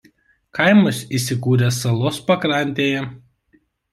Kaimas įsikūręs salos pakrantėje.